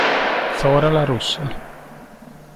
Zora la rossa